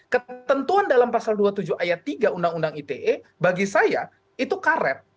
ketentuan dalam pasal dua puluh tujuh ayat tiga undang undang ite bagi saya itu karet